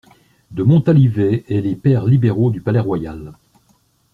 De Montalivet et les pairs libéraux du Palais-Royal.